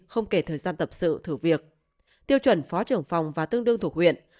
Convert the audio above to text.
không kể thời gian tập sự thử việc tiêu chuẩn phó trưởng phòng và tương đương thuộc huyện